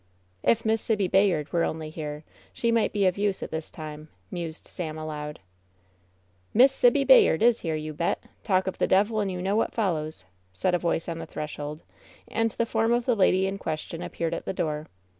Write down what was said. "If Miss Sibby Bayard were only here ; she might be of use at this time," mused Sam, aloud. "Miss Sibby Bayard is here, you bet ! Talk of the devil and you know what follows," said a voice on the threshold, and the form of the lady in question appeared at the door.